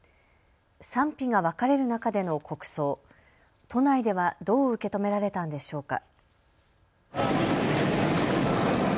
賛否が分かれる中での国葬、都内ではどう受け止められたのでしょうか。